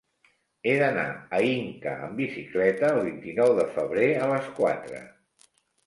He d'anar a Inca amb bicicleta el vint-i-nou de febrer a les quatre.